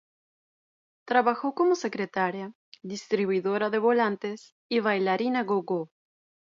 Trabajó como secretaria, distribuidora de volantes, y bailarina gogó.